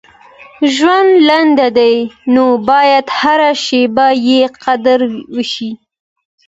• ژوند لنډ دی، نو باید هره شیبه یې قدر وشي.